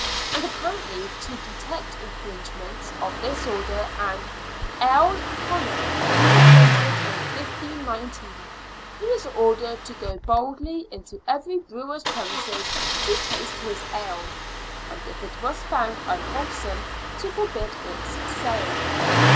And apparently to detect infringements of this order, an " ale Conner " was appointed in 1519, who was ordered to go boldly into every brewer's premises, to taste his ale, and if it was found unwholesome, to forbid its sale.